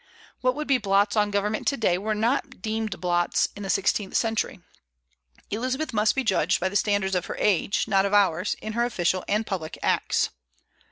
What would be blots on government to day were not deemed blots in the sixteenth century. Elizabeth must be judged by the standard of her age, not of ours, in her official and public acts.